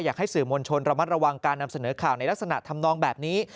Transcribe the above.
อยากให้สื่อมวลชนระมัดระวังการนำเสนอข่าวในลักษณะทำนองแบบนี้